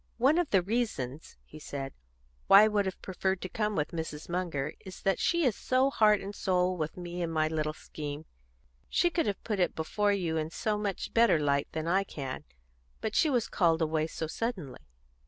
"One of the reasons," he said, "why I would have preferred to come with Mrs. Munger is that she is so heart and soul with me in my little scheme. She could have put it before you in so much better light than I can. But she was called away so suddenly."